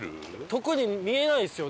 特に見えないですよね。